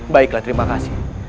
baiklah terima kasih